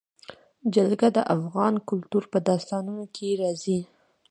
جلګه د افغان کلتور په داستانونو کې راځي.